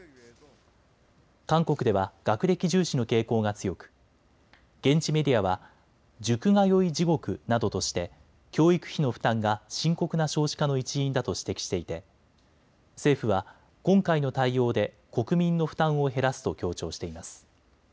韓国では学歴重視の傾向が強く現地メディアは塾通い地獄などとして教育費の負担が深刻な少子化の一因だと指摘していて政府は今回の対応で国民の負担を減らすと強調しています。